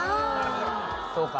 そうか。